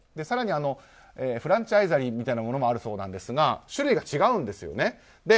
更に、フランチャイズみたいなものがあるそうですが種類が違うんですね。